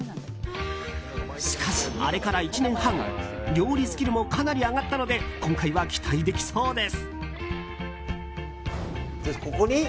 しかし、あれから１年半料理スキルもかなり上がったので今回は期待できそうです。